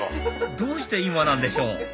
どうして今なんでしょう？